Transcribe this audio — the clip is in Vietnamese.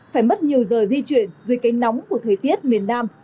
phải mất nhiều giờ di chuyển dưới cây nóng của thời tiết miền nam